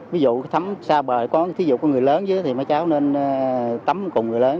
ví dụ tắm xa bờ thì có người lớn dưới thì mấy cháu nên tắm cùng người lớn